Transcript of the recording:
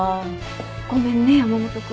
ごめんね山本君。